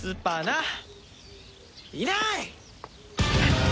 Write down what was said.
いない！